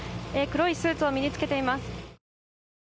黒いスーツを身に着けています。